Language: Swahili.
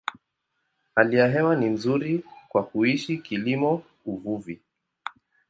Hali ya hewa ni nzuri kwa kuishi, kilimo, uvuvi.